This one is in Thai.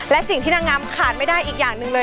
และสิ่งที่นางงามขาดไม่ได้อีกอย่างหนึ่งเลย